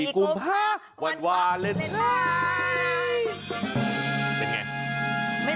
๑๔กุมภาวันวาเลนไทย